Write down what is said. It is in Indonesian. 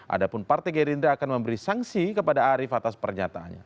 adapun partai gerindra akan memberi sanksi kepada arief atas pernyataannya